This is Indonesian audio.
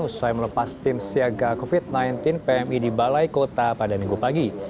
usai melepas tim siaga covid sembilan belas pmi di balai kota pada minggu pagi